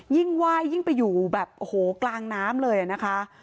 ยิ่งไหว้ยิ่งไปอยู่แบบโอ้โหกลางน้ำเลยนะคะ